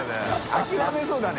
諦めそうだね。